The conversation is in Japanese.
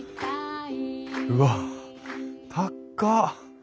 うわっ高っ。